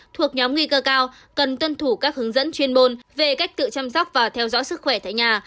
thuộc nhóm nguy cơ cao cần tuân thủ các hướng dẫn chuyên môn về cách tự chăm sóc và theo dõi sức khỏe tại nhà